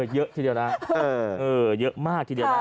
เยอะทีเดียวนะเยอะมากทีเดียวนะ